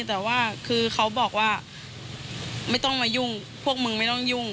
แต่ว่าคือเขาบอกว่าไม่ต้องมายุ่งพวกมึงไม่ต้องยุ่ง